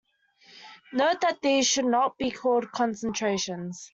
Note that these should not be called concentrations.